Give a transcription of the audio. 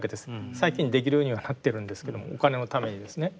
最近できるようにはなってるんですけどもお金のためにですね。